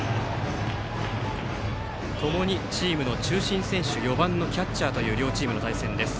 共にチームの中心選手４番のキャッチャーという両チームの対戦です。